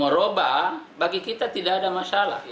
merubah bagi kita tidak ada masalah